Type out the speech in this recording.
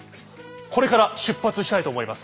これから出発したいと思います。